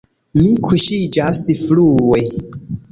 Mi kuŝiĝas frue.